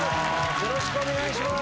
よろしくお願いします